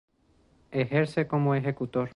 Ejerce como ejecutor.